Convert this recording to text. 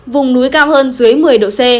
vùng núi cao hơn dưới một mươi độ c